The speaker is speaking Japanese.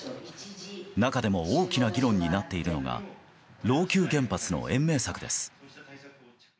中でも大きな議論になっているのが老朽原発の延命策です。